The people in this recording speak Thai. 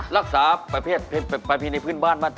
รักษาประเภทประเพณีในพื้นบ้านมาก